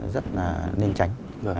rất là nên tránh